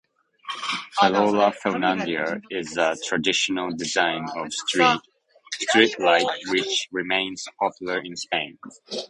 "Farola fernandina" is a traditional design of street light which remains popular in Spain.